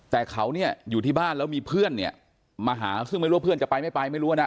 แต่เขาเนี่ยอยู่ที่บ้านแล้วมีเพื่อนเนี่ยมาหาซึ่งไม่รู้ว่าเพื่อนจะไปไม่ไปไม่รู้นะ